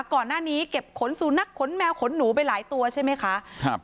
ก่อนหน้านี้เก็บขนสุนัขขนแมวขนหนูไปหลายตัวใช่ไหมคะครับ